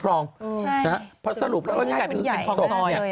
คลองใช่เพราะสรุปแล้วก็ง่ายมีคลองซอย